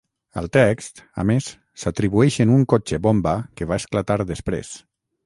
Al text, a més, s’atribueixen un cotxe bomba que va esclatar després.